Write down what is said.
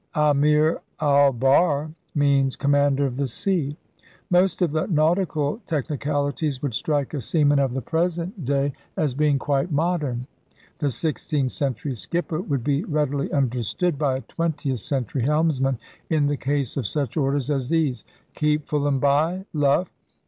Amir al bahr means com mander of the sea. Most of the nautical techni calities would strike a seaman of the present day LIFE AFLOAT IN TUDOR TIMES 43 as being quite modern. The sixteenth century skipper would be readily understood by a twentieth century helmsman in the case of such orders as these: Keep full and by! Luff!